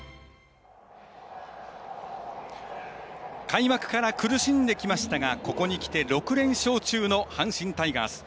開幕から苦しんできましたがここにきて、６連勝中の阪神タイガース。